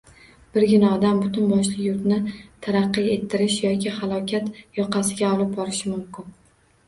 Birgina odam butun boshli yurtni taraqqiy ettirishi yoki halokat yoqasiga olib borishi mumkin.